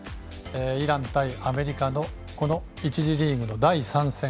イラン対アメリカの１次リーグの第３戦。